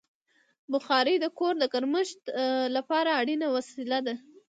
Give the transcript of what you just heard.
بخاري د کور د ګرمښت لپاره اړینه وسیله ده.